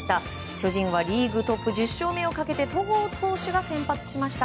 巨人はリーグトップ１０勝目をかけて戸郷投手が先発しました。